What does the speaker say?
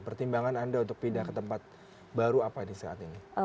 pertimbangan anda untuk pindah ke tempat baru apa ini saat ini